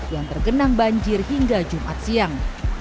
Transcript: yang tergenang banjir hingga jumat siang